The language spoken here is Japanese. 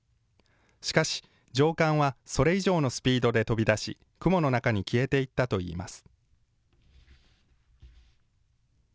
しかし、上官はそれ以上のスピードで飛び出し、雲の中に消えていったといいます。